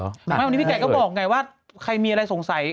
ไม่วันนี้พี่ไก่ก็บอกไงว่าใครมีอะไรสงสัย